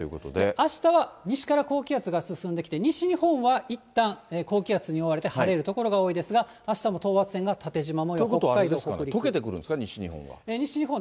あしたは西から高気圧が進んできて、西日本はいったん高気圧に覆われて、晴れる所が多いですが、ということはあれですかね、とけてくるんですかね、西日本は。